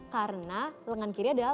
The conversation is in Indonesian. karena lengan kiri adalah